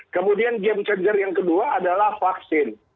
kemudian game changer yang kedua adalah vaksin